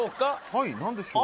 はい何でしょう？